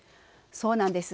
そうなんです。